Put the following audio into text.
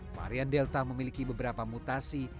varian delta memiliki beberapa mutasi